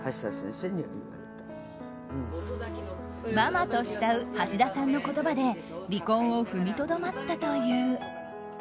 ママと慕う橋田さんの言葉で離婚を踏みとどまったという。